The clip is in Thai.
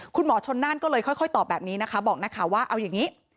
คุณหมอชนน่านก็เลยค่อยค่อยตอบแบบนี้นะคะบอกนะคะว่าเอาอย่างงี้